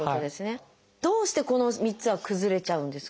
どうしてこの３つは崩れちゃうんですか？